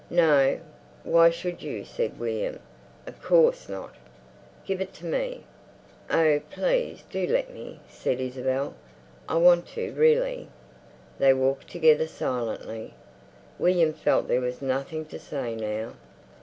"No, why should you?" said William. "Of course, not. Give it to me." "Oh, please, do let me," said Isabel. "I want to, really." They walked together silently. William felt there was nothing to say now.